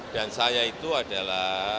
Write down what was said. dan saya itu adalah